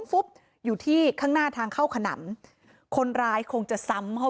ฟุบอยู่ที่ข้างหน้าทางเข้าขนำคนร้ายคงจะซ้ำเข้า